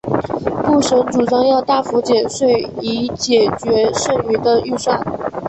布什主张要大幅减税以解决剩余的预算。